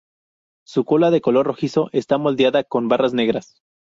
Su cola de color rojizo está modelada con barras negras.